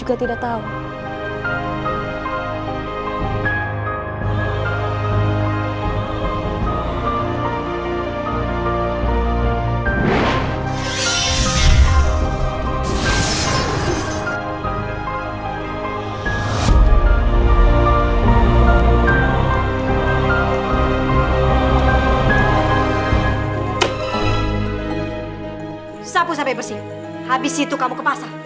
habis itu kamu ke pasar